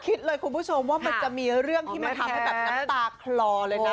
คิดเลยคุณผู้ชมว่ามันจะมีเรื่องที่มันทำให้แบบน้ำตาคลอเลยนะ